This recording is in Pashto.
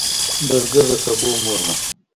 بزګر د سبو مور دی